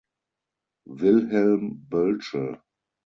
Wilhelm Bölsche.